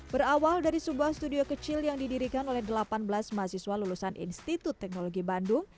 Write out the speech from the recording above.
berawal dari sebuah studio kecil yang didirikan oleh delapan belas mahasiswa lulusan institut teknologi bandung